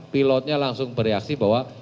pilotnya langsung bereaksi bahwa